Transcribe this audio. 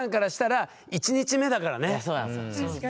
いやそうなんですよ。